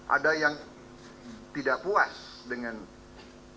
ada yang tidak puas dengan keputusan